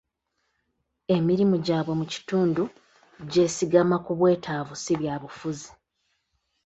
Emirimu gyabwe mu kitundu gyesigama ku bwetaavu si bya bufuzi.